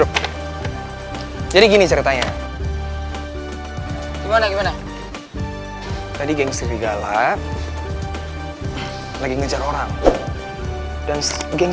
hai jadi gini ceritanya gimana gimana tadi gengs gala lagi ngejar orang dan gengs